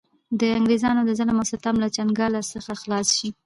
د انګرېزانو د ظلم او ستم له چنګاله څخه خلاص شـي.